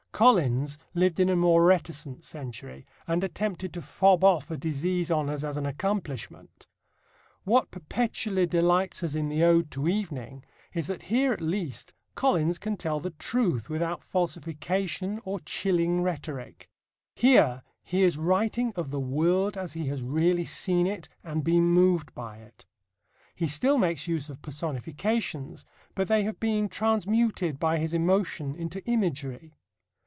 Collins lived in a more reticent century, and attempted to fob off a disease on us as an accomplishment. What perpetually delights us in the Ode to Evening is that here at least Collins can tell the truth without falsification or chilling rhetoric. Here he is writing of the world as he has really seen it and been moved by it. He still makes use of personifications, but they have been transmuted by his emotion into imagery.